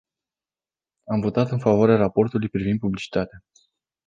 Am votat în favoarea raportului privind publicitatea.